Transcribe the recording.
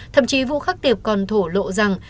thậm chí vũ khắc tiệp còn thổ lộ rằng